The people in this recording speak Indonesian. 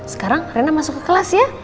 sekarang rena masuk ke kelas ya